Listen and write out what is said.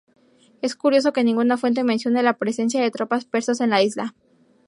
Es curioso que ninguna fuente mencione la presencia de tropas persas en la isla.